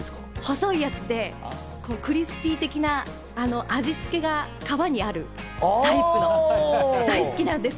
細いやつでクリスピー的な味つけが皮にあるタイプが大好きなんです。